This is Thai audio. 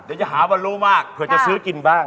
เดี๋ยวจะหาวันรู้มากเผื่อจะซื้อกินบ้าง